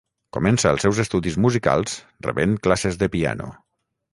Comença els seus estudis musicals rebent classes de piano.